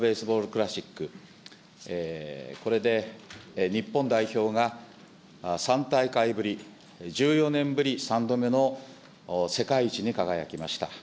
クラシック、これで日本代表が３大会ぶり１４年ぶり３度目の世界一に輝きました。